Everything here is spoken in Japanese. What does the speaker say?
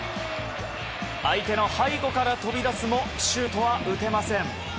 相手の背後から飛び出すもシュートは打てません。